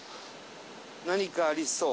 何かありそう。